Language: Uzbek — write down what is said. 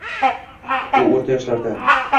U o’rta yoshlarda.